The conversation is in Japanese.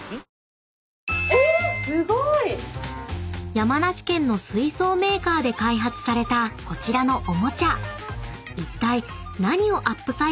［山梨県の水槽メーカーで開発されたこちらのおもちゃ］